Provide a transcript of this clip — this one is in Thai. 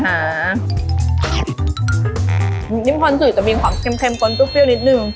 น้ำจิ้มพอนซื้อจะมีขวามเค็มก้นปลูกนิดนึง